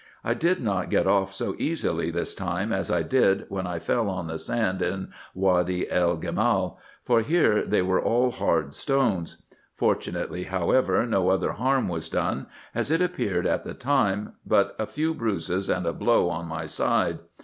I did not get off so easily this time as I did when I fell on the sand in Wady el Gemal, for here they were all hard stones ; fortunately, however, no other harm was done, as it appeared at the time, but a few bruises and a blow on my side.